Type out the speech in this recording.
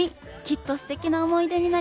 きっとすてきな思い出になりますよ！